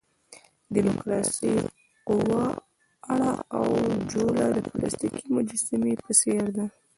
د ډیموکراسۍ قواره او جوله د پلاستیکي مجسمې په څېر ده.